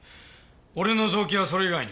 俺の動機はそれ以外にも。